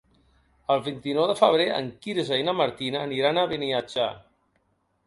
El vint-i-nou de febrer en Quirze i na Martina aniran a Beniatjar.